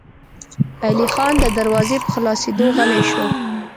علی خان د دروازې په خلاصېدو غلی شو.